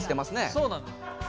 そうなんです。